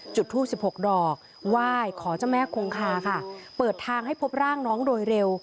จุดทูบ๑๖ดอกไหว้ขอเจ้าแม่คงคาค่ะเปิดทางให้พบร่างน้องโดยเร็ว